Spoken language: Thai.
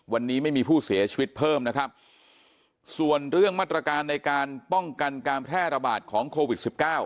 วันนี้ไม่มีผู้เสียชีวิตเพิ่มนะครับส่วนเรื่องมาตรการในการป้องกันการแพร่ระบาดของโควิดสิบเก้า